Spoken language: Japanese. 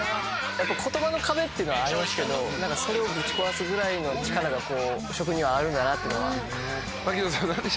言葉の壁っていうのはありますけどそれをぶち壊すぐらいの力が食にはあるんだなっていうのは。